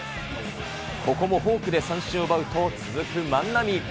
ここもフォークで三振を奪うと、続く万波。